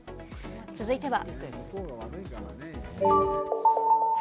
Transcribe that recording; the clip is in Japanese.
続いては。